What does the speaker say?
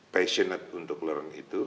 passionate untuk learn itu